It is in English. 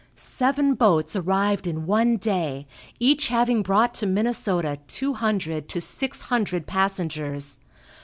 Seven boats arrived in one day, each having brought to Minnesota two hundred to six hundred passengers.